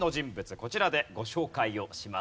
こちらでご紹介をします。